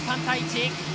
３対１。